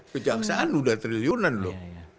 kejaksaan udah triliunan loh